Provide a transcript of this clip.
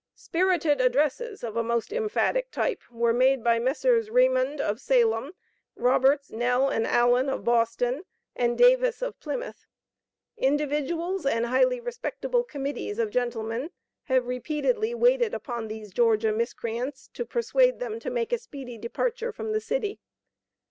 Spirited addresses, of a most emphatic type, were made by Messrs. Remond, of Salem, Roberts, Nell, and Allen, of Boston, and Davis, of Plymouth. Individuals and highly respectable committees of gentlemen have repeatedly waited upon these Georgia miscreants, to persuade them to make a speedy departure from the city.